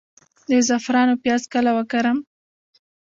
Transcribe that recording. د زعفرانو پیاز کله وکرم؟